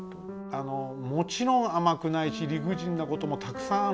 あのもちろん甘くないし理不尽なこともたくさんあるし。